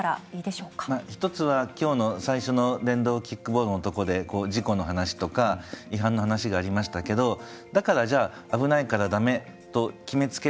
一つは今日の最初の電動キックボードのとこで事故の話とか違反の話がありましたけどだからじゃあ危ないから駄目と決めつけるのは少し難しい。